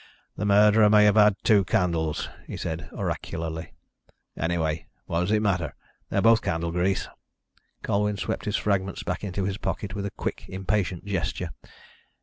"The murderer may have had two candles," he said oracularly. "Anyway, what does it matter? They're both candle grease." Colwyn swept his fragments back into his pocket with a quick impatient gesture.